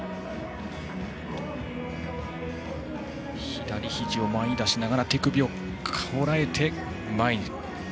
左ひじを前に出しながら手首をこらえて前に。